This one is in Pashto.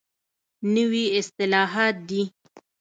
نوي اصطلاحات دي.